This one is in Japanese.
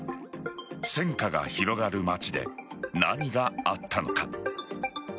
戦火が広がる街で何があったのか。